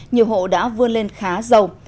nhiều hộ đã vươn lên khá giàu